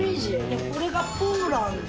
これがポーランド。